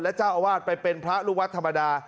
เจ้าอาวาสไปเป็นพระลูกวัดธรรมดา